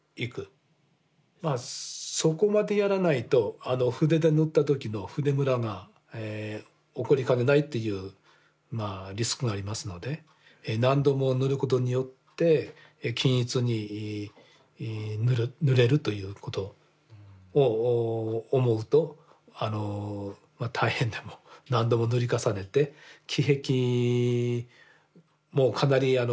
まあそこまでやらないと筆で塗った時の筆ムラが起こりかねないっていうリスクがありますので何度も塗ることによって均一に塗れるということを思うと大変でもっていうことにもなりかねないと。